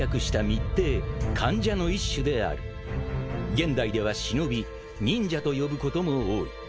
［現代では忍び忍者と呼ぶことも多い］